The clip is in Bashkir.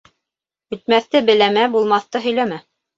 Үтмәҫте беләмә, булмаҫты һөйләмә.